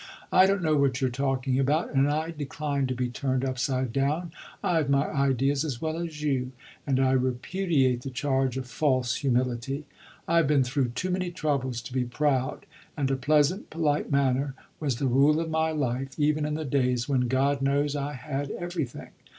"I don't know what you're talking about and I decline to be turned upside down, I've my ideas as well as you, and I repudiate the charge of false humility. I've been through too many troubles to be proud, and a pleasant, polite manner was the rule of my life even in the days when, God knows, I had everything.